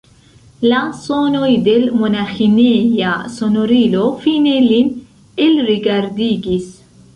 La sonoj de l' monaĥineja sonorilo fine lin elrigidigis.